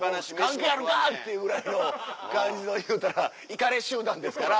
関係あるか！っていうぐらいの感じのいうたらイカレ集団ですから。